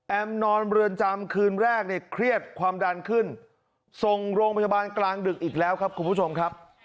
นอนเรือนจำคืนแรกเนี่ยเครียดความดันขึ้นส่งโรงพยาบาลกลางดึกอีกแล้วครับคุณผู้ชมครับ